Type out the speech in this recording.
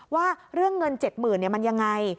ว่าเรื่องเงิน๗หมื่นเนี่ยมันยังไง